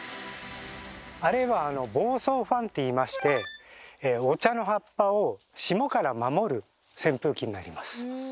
あれは「防霜ファン」って言いましてお茶の葉っぱを霜から守る扇風機になります。